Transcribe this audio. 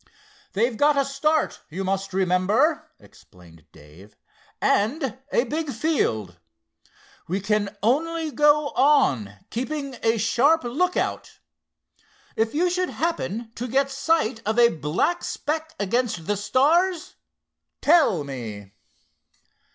"They've got a start, you must remember," explained Dave, "and a big field. We can only go on, keeping a sharp lookout. If you should happen to get sight of a black speck against the stars, tell me."